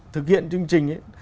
thực hiện chương trình ấy